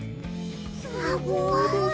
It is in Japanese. すごい。